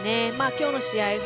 今日の試合